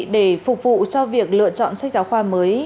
để phục vụ cho việc lựa chọn sách giáo khoa mới